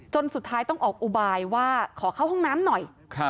สุดท้ายต้องออกอุบายว่าขอเข้าห้องน้ำหน่อย